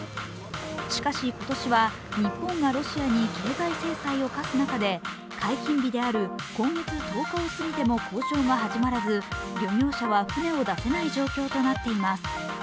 しかし、今年は日本がロシアに経済制裁を科す中で解禁日である今月１０日を過ぎても交渉が始まらず漁業者は、船を出せない状況となっています。